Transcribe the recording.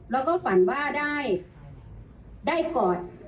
แล้วก็ฝันว่าได้กอด